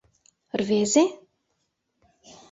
Рвезе?